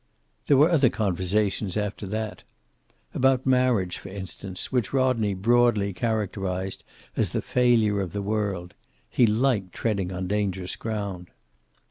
There were other conversations after that. About marriage, for instance, which Rodney broadly characterized as the failure of the world; he liked treading on dangerous ground.